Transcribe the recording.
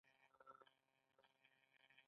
هغې د سپوږمیز باد په اړه خوږه موسکا هم وکړه.